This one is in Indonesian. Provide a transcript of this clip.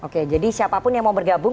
oke jadi siapapun yang mau bergabung